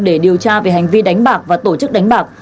để điều tra về hành vi đánh bạc và tổ chức đánh bạc